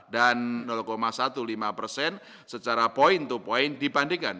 dan lima belas persen secara point to point dibandingkan